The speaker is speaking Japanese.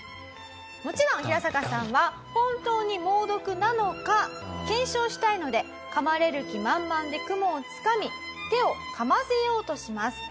もちろんヒラサカさんは本当に猛毒なのか検証したいので噛まれる気満々でクモをつかみ手を噛ませようとします。